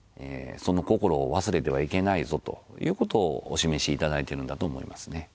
その心を忘れてはいけないぞという事をお示し頂いてるんだと思いますね。